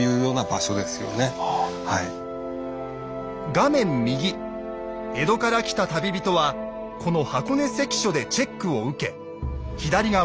画面右江戸から来た旅人はこの箱根関所でチェックを受け左側